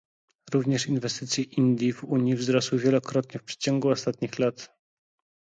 Również inwestycje Indii w Unii wzrosły wielokrotnie w przeciągu ostatnich lat